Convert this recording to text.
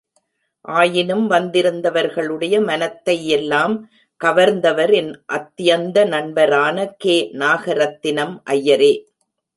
ஆயினும் வந்திருந்தவர்களுடைய மனத்தையெல்லாம் கவர்ந்தவர் என் அத்யந்த நண்பரான கே. நாகரகத்தினம் ஐயரே.